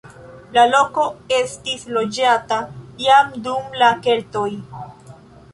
La loko estis loĝata jam dum la keltoj.